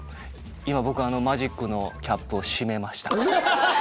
今僕マジックのキャップを閉めました。